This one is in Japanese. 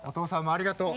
ありがとう。